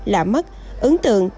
lạ mắt ấn tượng